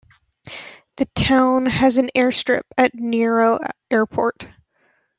The town has an airstrip at Nioro Airport.